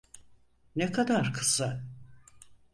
Ne kadar kısa?